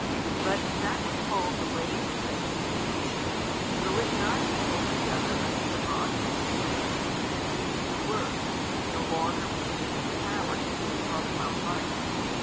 But that which falls away from sanctification, will it not be altogether under the bonds of sin, and sink to the worse, no longer retaining power to be apart from vice?